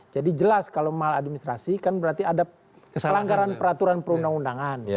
jadi jelas kalau mal administrasi kan berarti ada pelanggaran peraturan perundang undangan